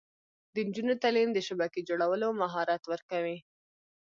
د نجونو تعلیم د شبکې جوړولو مهارت ورکوي.